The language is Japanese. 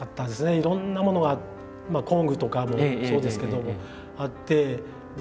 いろんなものが工具とかもそうですけどもあって。